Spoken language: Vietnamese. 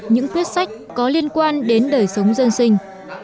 những quyết sách có liên quan đến đời sống dân sinh